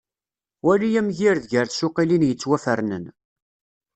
Wali amgired gar tsuqilin yettwafernen.